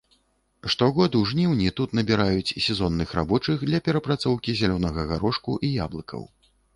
Штогод у жніўні тут набіраюць сезонных рабочых для перапрацоўкі зялёнага гарошку і яблыкаў.